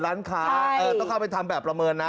ต้องเข้าไปทำแบบประเมินน่ะ